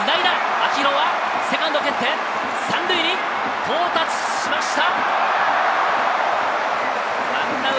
秋広はセカンドを蹴って３塁に到達しました。